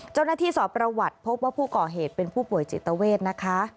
เจ้าหน้าที่สอบประวัติพบว่าผู้ก่อเหตุเป็นผู้ป่วยจิตเวทนะคะ